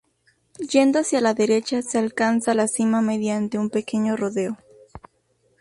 Yendo hacia la derecha se alcanza la cima mediante un pequeño rodeo.